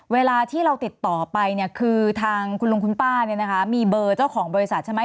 เวลาที่เราติดต่อไปเนี่ยคือทางคุณลุงคุณป้าเนี่ยนะคะมีเบอร์เจ้าของบริษัทใช่ไหม